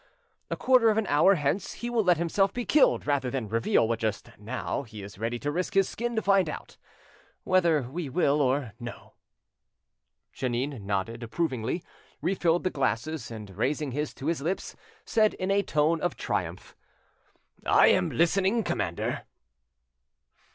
A quarter of an hour hence he will let himself be killed rather than reveal what just now he is ready to risk his skin to find out, whether we will or no." Jeannin nodded approvingly, refilled the glasses, and raising his to his lips, said in a tone of triumph— "I am listening, commander."